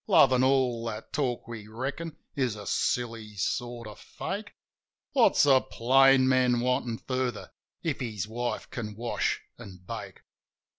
Love an' all that talk, we reckon, is a silly sort of fake — What's a plain man wantin' further if his wife can wash an' bake